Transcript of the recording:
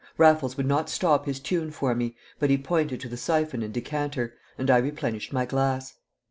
Raffles would not stop his tune for me, but he pointed to the syphon and decanter, and I replenished my glass.